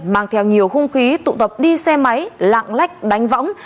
mang theo nhiều hung khí tụ tập đi xe máy lạng lách đánh võng